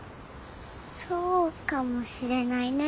そうかもしれないね。